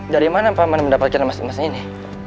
dari mana pak man mendapatkan emas emas ini